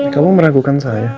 kamu meragukan saya